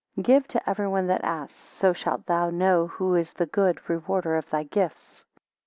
21 Give to everyone that asks so shalt thou know who is the good rewarder of thy gifts.